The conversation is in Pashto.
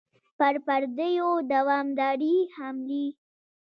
پر پردیو دوامدارې حملې.